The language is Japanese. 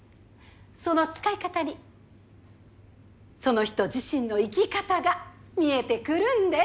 その使い方にその人自身の生き方が見えてくるんです。